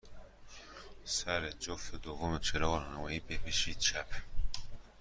سر جفت دوم چراغ راهنمایی، بپیچید چپ.